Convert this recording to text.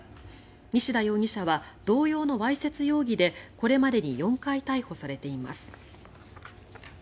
西田容疑者は同様のわいせつ容疑でこれまでに４回逮捕されています。